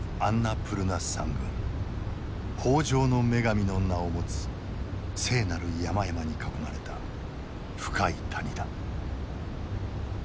豊穣の女神の名を持つ聖なる山々に囲まれた深い谷だ。